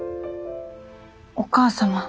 お母様。